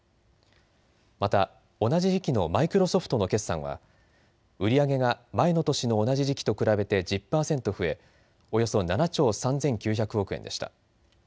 また同じ時期のマイクロソフトの決算は売り上げが前の年の同じ時期と比べて１０％増えおよそ７兆３９００億円でした。